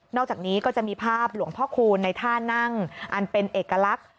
อกจากนี้ก็จะมีภาพหลวงพ่อคูณในท่านั่งอันเป็นเอกลักษณ์